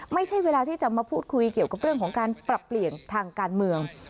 ไม่ใช่เวลาที่จะมาพูดคุยเกี่ยวกับเรื่องของการปรับเปลี่ยนทางการเมือง